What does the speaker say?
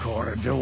お！